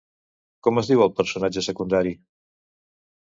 Com es diu el personatge secundari?